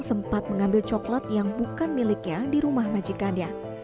sempat mengambil coklat yang bukan miliknya di rumah majikannya